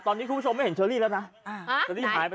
ยังอยู่นะมนตร์นี้ไม่ได้บ่น